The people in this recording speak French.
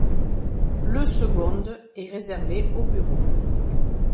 Le seconde est réservée aux bureaux.